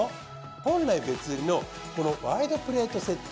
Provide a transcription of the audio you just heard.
本来別売りのこのワイドプレートセット。